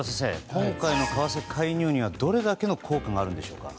今回の為替介入にはどれだけの効果があるんでしょうか。